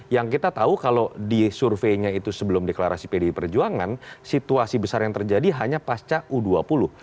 yang kita tahu kalau di surveinya itu sebelum deklarasi pdi perjuangan situasi besar yang terjadi hanya pasca u dua puluh